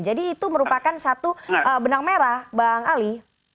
jadi itu merupakan satu benang merah bang ali